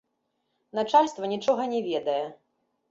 Начальства нічога не ведае.